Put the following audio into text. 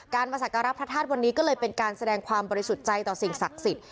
มาสักการะพระธาตุวันนี้ก็เลยเป็นการแสดงความบริสุทธิ์ใจต่อสิ่งศักดิ์สิทธิ์